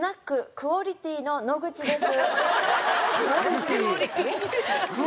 クオリティの野口です。